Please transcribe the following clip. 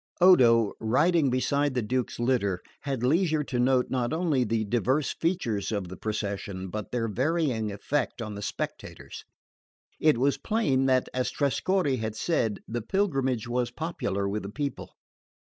Odo, riding beside the Duke's litter, had leisure to note not only the diverse features of the procession but their varying effect on the spectators. It was plain that, as Trescorre had said, the pilgrimage was popular with the people.